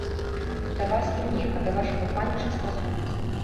Да вас то не, а да вашага паніча стасуецца.